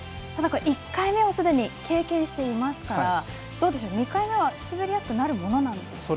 １回目はすでに経験していますから２回目は滑りやすくなるものなんですか。